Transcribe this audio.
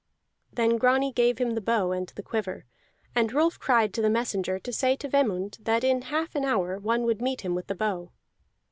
Then Grani gave him the bow and the quiver, and Rolf cried to the messenger to say to Vemund that in half an hour one would meet him with the bow.